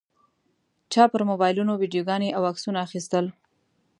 چا پر موبایلونو ویډیوګانې او عکسونه اخیستل.